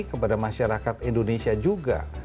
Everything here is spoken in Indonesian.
kepada masyarakat indonesia juga